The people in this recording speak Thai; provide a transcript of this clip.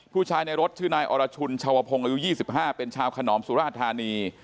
ผู้ชายในรถชื่อนายอรชุนชาวพงศ์อายุ๒๕เป็นชาวขนอมสุราธานี